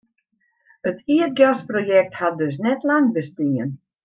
It ierdgasprojekt hat dus net lang bestien.